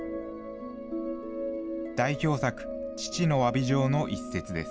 代表作、父の詫び状の一節です。